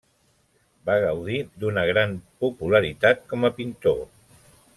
Va gaudir d'una gran popularitat com a pintor.